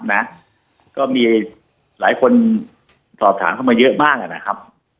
นะก็มีหลายคนสอบถามเข้ามาเยอะมากอ่ะนะครับ